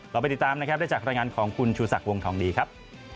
ไปติดตามนะครับได้จากรายงานของคุณชูศักดิ์วงทองดีครับ